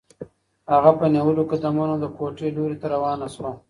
هغه په نیولو قدمونو د کوټې لوري ته روانه شوه.